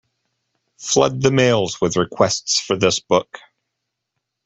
Flood the mails with requests for this book.